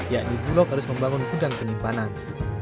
yakni bulog harus membangun gudang penyimpanan